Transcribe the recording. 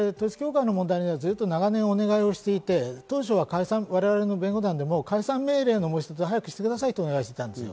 統一教会問題には長年お願いしていて、当初は解散、弁護団でも解散命令の申し立てを早くしてくださいとお願いしていました。